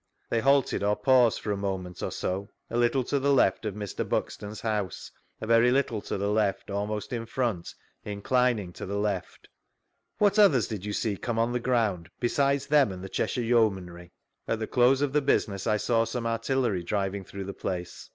— They halted or paused for a moment or so, a little to the left of Mr. Buxton's house, a very little to the left, almost in front, inclining to the left. vGoogIc 3» THREE ACCOUNTS OF PETERLOO What oth«rs did you see come on the ground, besides them and the Cheshire Yetunanry? — At the close (rf the business I saw some artillery driving through the place.